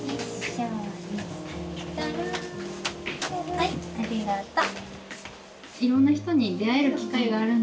はいありがとう。